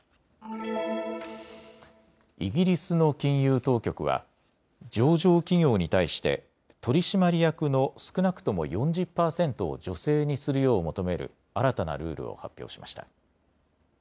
イギリスの金融当局は上場企業に対して取締役の少なくとも４０％を女性にするよう求める新たなルールを発表しました。